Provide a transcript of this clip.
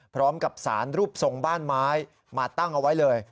พร้อมกับสารรูปทรงบ้านไม้มาตั้งเอาไว้เลย